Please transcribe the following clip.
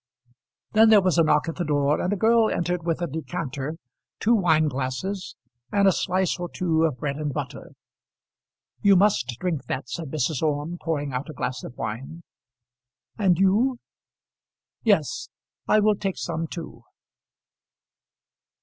Then there was a knock at the door, and a girl entered with a decanter, two wine glasses, and a slice or two of bread and butter. "You must drink that," said Mrs. Orme, pouring out a glass of wine. "And you?" "Yes, I will take some too.